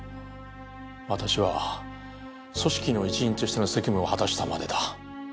私は組織の一員としての責務を果たしたまでだ。